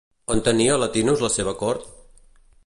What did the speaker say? On tenia Latinus la seva cort?